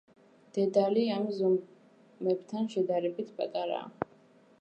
დედალი ამ ზომებთან შედარებით პატარაა.